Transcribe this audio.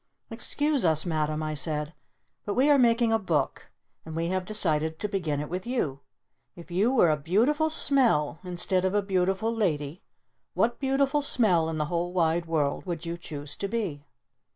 "Excuse us, Madam," I said. "But we are making a book! And we have decided to begin it with you! If you were a Beautiful Smell instead of a Beautiful Lady, what Beautiful Smell in the Whole Wide World would you choose to be?"